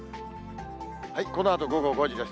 このあと午後５時です。